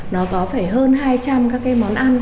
nó có phải hơn hai trăm linh món ăn